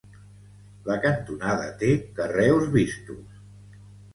La cantonada té carreus vistos.